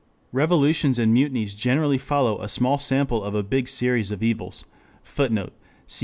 Revolutions and mutinies generally follow a small sample of a big series of evils. [Footnote: _Cf.